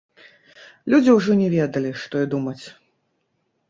Людзі ўжо не ведалі, што і думаць.